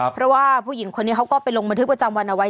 เพราะว่าผู้หญิงคนนี้เขาก็ไปลงบันทึกประจำวันเอาไว้